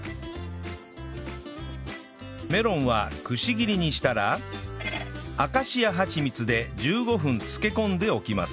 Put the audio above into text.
メロンはくし切りにしたらアカシアはちみつで１５分漬け込んでおきます